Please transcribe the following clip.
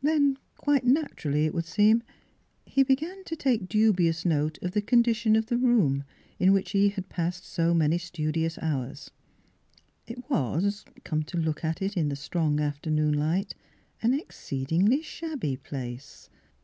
Then, quite naturally, it would seem, he began to take dubious note of the con dition of the room in which he had passed so many studious hours. It was, come to look at it, in the strong afternoon light, an exceedingly shabby place.